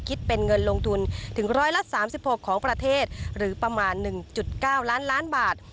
คิดเป็นเงินลงทุนถึงร้อยละ๓๖ของประเทศหรือประมาณ๑๙ล้านล้านบาท